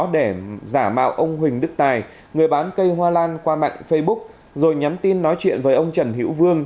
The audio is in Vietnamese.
để giả mạo ông huỳnh đức tài người bán cây hoa lan qua mạng facebook rồi nhắn tin nói chuyện với ông trần hữu vương